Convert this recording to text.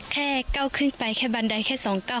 แค่เก้าขึ้นไปแค่บันไดแค่สองเก้า